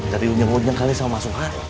tapi unyeng unyeng kali sama mas suha